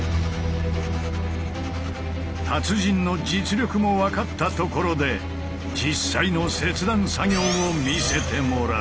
達人の実力も分かったところで実際の切断作業を見せてもらう！